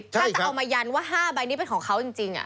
ถ้าจะเอามายันว่า๕ใบนี้เป็นของเขาจริง